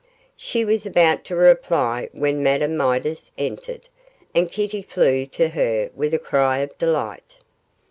She was about to reply when Madame Midas entered, and Kitty flew to her with a cry of delight.